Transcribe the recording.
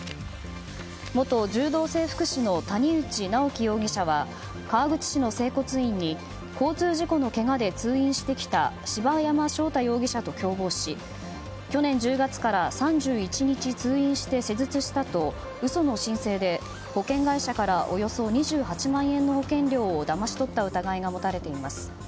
元柔道整復師の谷内直樹容疑者は川口市の整骨院に交通事故のけがで通院してきた柴山彰太容疑者と共謀し去年１０月から３１日通院して施術したと嘘の申請で保険会社からおよそ２８万円の保険料をだまし取った疑いが持たれています。